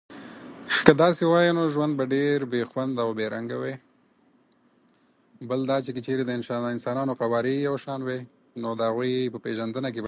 که داسې وای، نو ژوند به ډېر بې خونده او بې رنګه وای. بل دا چې، که چيرې د انسانانو قوارې يو شان وای، نو د هغوی په پېژندنه کې به